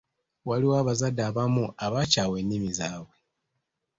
Waliwo abazadde abamu abakyawa ennimi zaabwe.